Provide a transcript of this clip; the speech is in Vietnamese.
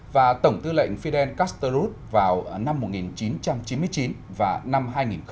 và tổng tư lệnh fidel castro vào năm một nghìn chín trăm chín mươi chín và năm hai nghìn ba